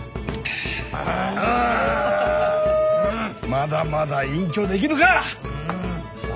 まだまだ隠居できぬか！